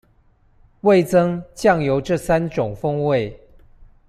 味噌、醬油這三種風味